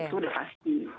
itu udah pasti